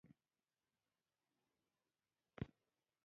د ازتکانو لیک انځوریز لیک و.